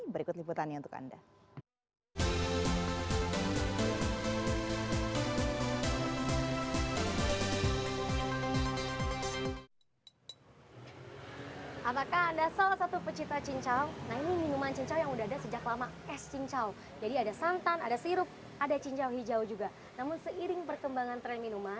berikut liputannya untuk anda